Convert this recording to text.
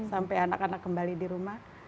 sampai anak anak kembali di rumah